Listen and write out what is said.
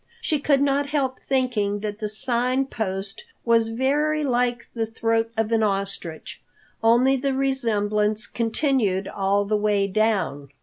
She could not help thinking that the Sign Post was very like the throat of an ostrich, only the resemblance continued all the way down.